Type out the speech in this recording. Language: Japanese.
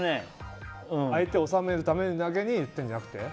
相手を収めるためだけにやってるんじゃなくて？